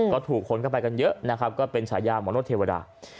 ก็ถูกคนเข้าไปกันเยอะนะครับก็เป็นฉายาหมอโนธเทวดา